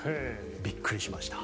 びっくりしました。